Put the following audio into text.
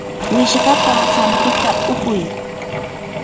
wishqapa hampita upuy.